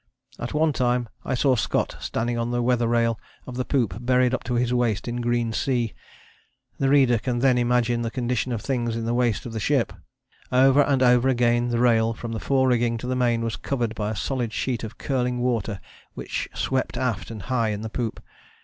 At one time I saw Scott, standing on the weather rail of the poop, buried to his waist in green sea. The reader can then imagine the condition of things in the waist of the ship, "over and over again the rail, from the fore rigging to the main, was covered by a solid sheet of curling water which swept aft and high on the poop."